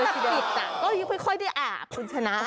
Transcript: คือตั้งแต่ปิดก็ค่อยได้อ่าปขุนชนะอ่ะ